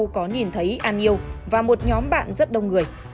có nhìn thấy an yêu và một nhóm bạn rất đông người